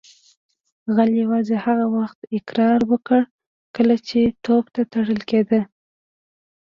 غل یوازې هغه وخت اقرار وکړ کله چې توپ ته تړل کیده